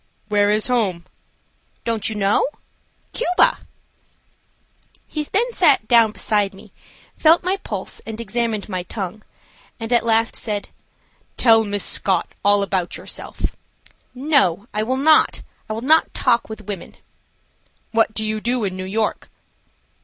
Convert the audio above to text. "Where is home?" "Don't you know? Cuba." He then sat down beside me, felt my pulse, and examined my tongue, and at last said: "Tell Miss Scott all about yourself." "No, I will not. I will not talk with women." "What do you do in New York?"